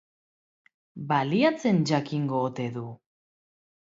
Baliatzen jakingo ote du?